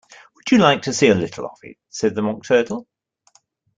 ‘Would you like to see a little of it?’ said the Mock Turtle.